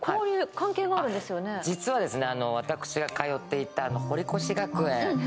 この実はですね